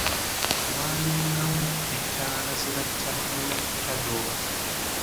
Walingawo ettaala ze bayita munaku taddoba.